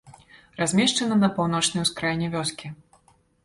Размешчана на паўночнай ускраіне вёскі.